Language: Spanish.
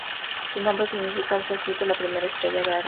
Su nombre significa en sánscrito "la primera estrella de Aries".